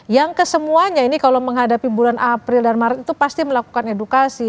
yang kesemuanya ini kalau menghadapi bulan april dan maret itu pasti melakukan edukasi